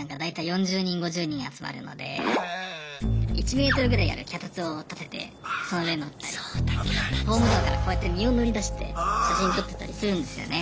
１ｍぐらいある脚立を立ててその上乗ったりホームドアからこうやって身を乗り出して写真撮ってたりするんですよね。